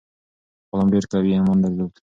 غلام ډیر قوي ایمان درلود.